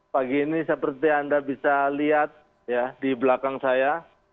pagi ini seperti anda bisa lihat ya di belakang saya